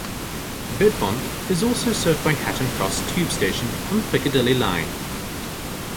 Bedfont is also served by Hatton Cross tube station on the Piccadilly line.